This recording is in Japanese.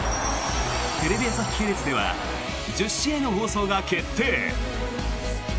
テレビ朝日系列では１０試合の放送が決定！